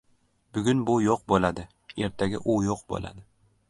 Bugun bu yo‘q bo‘ladi, ertaga u yo‘q bo‘ladi.